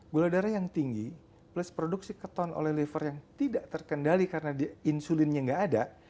gula darah yang tinggi plus produksi keton oleh liver yang tidak terkendali karena insulinnya nggak ada